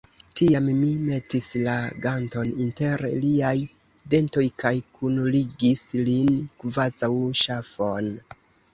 Tiam mi metis la ganton inter liaj dentoj kaj kunligis lin, kvazaŭ ŝafon.